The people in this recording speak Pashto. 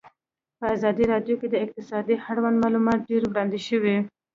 په ازادي راډیو کې د اقتصاد اړوند معلومات ډېر وړاندې شوي.